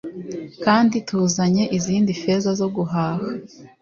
Kandi tuzanye izindi feza zo guhaha